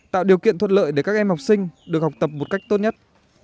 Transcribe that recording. tạo điều kiện thuận lợi để các em học sinh được học tập một cách tốt nhất